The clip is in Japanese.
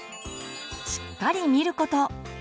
しっかり見ること。